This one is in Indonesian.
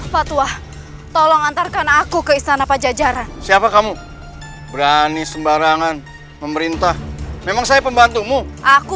patuah tolong antarkan aku ke istana pajajaran siapa kamu berani sembarangan pemerintah memang saya pembantu mu